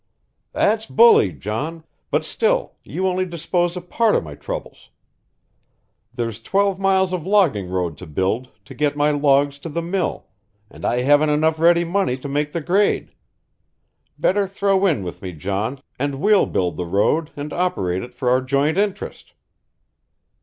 "That's bully, John; but still, you only dispose of part of my troubles. There's twelve miles of logging road to build to get my logs to the mill, and I haven't enough ready money to make the grade. Better throw in with me, John, and we'll build the road and operate it for our joint interest."